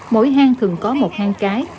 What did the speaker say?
mỗi hang thường có một hang cái